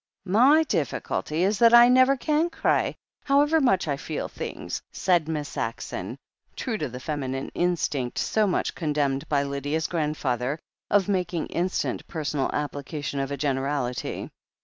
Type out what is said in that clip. ''My difficulty is that I never can cry, however much I feel things," said Miss Saxon, true to the feminine instinct, so piuch condemned by Lydia's grandfather, of making instant personal application of a generality.